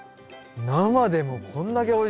生でもこんだけおいしいんだ。